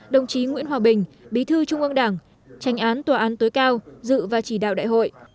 đồng chí nguyễn hòa bình bí thư trung ương đảng tranh án tòa án tối cao dự và chỉ đạo đại hội